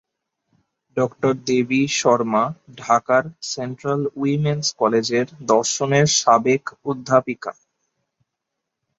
ড: দেবী শর্মা ঢাকার central women's কলেজের দর্শনের সাবেক অধ্যাপিকা।